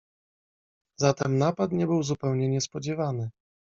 "Zatem napad nie był zupełnie niespodziewany."